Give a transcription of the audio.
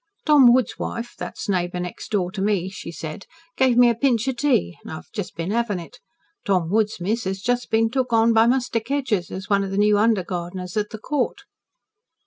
"Tom Wood's wife, that's neighbour next door to me," she said, "gave me a pinch o' tea an' I've just been 'avin it. Tom Woods, miss, 'as just been took on by Muster Kedgers as one of the new under gardeners at the Court."